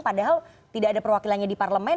padahal tidak ada perwakilannya di parlemen